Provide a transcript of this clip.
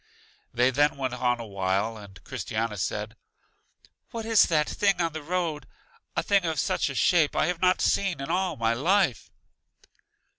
They then went on a while, and Christiana said, What is that thing on the road? A thing of such a shape I have not seen in all my life!